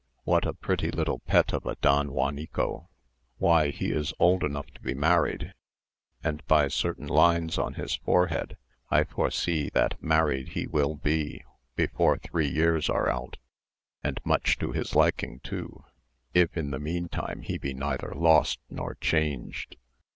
"What a pretty little pet of a Don Juanico! Why he is old enough to be married; and by certain lines on his forehead, I foresee that married he will be before three years are out, and much to his liking too, if in the meantime he be neither lost nor changed."